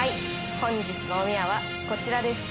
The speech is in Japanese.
本日のおみやはこちらです。